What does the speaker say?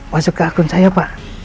masuk ke akun saya pak